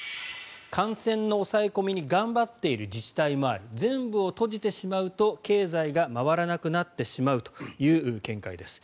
感染の抑え込みに頑張っている自治体もある全部を閉じてしまうと経済が回らなくなってしまうという見解です。